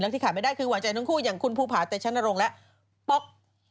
ที่ขาดไม่ได้คือหวานใจทั้งคู่อย่างคุณภูผาเตชนรงค์และป๊อก